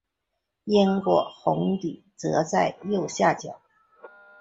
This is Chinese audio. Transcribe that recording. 英国红底则在右下角。